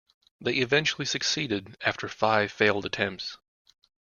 They eventually succeeded after five failed attempts